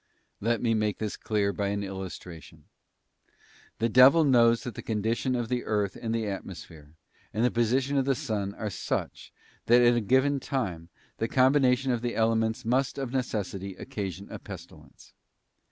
Let us make this clear by an illustration: The devil knows that the condition of the earth and the atmosphere, and the position of the sun are such, that at a given time, the combination of the elements must, of necessity, occasion a pestilence.